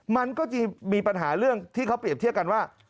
มันก็จะมีปัญหาเรื่องที่เขาเปรียบเทียบกันว่า